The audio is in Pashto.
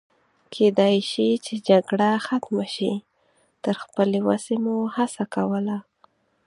کېدای شي چې جګړه ختمه شي، تر خپلې وسې مو هڅه کول.